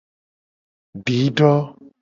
Dido.